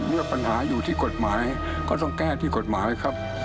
เมื่อปัญหาอยู่ที่กฎหมายก็ต้องแก้ที่กฎหมายครับ